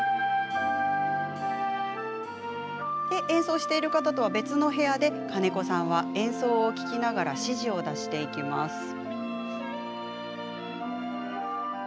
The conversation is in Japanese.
演奏者とは別の部屋で金子さんは演奏を聴きながら指示を出していきます。